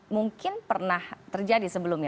mungkin pernah terjadi sebelumnya